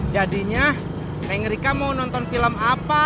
jadinya bang rika mau nonton film apa